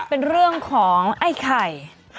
เป็นเรื่องของไอ้ไข่